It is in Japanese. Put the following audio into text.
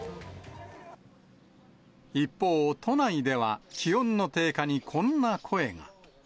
一方、都内では気温の低下にこんな声が。